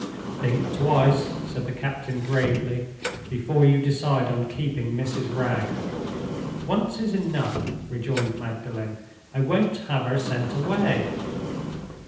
"Think twice," said the captain, gravely, "before you decide on keeping Mrs. Wragge." "Once is enough," rejoined Magdalen. "I won't have her sent away."